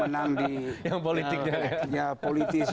yang menang di politik